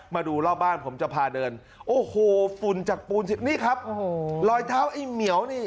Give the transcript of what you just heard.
มาดูรอบบ้านผมจะพาเดินโอ้โหฝุ่นจากปูนนี่ครับโอ้โหรอยเท้าไอ้เหมียวนี่